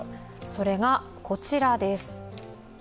それがこちらです。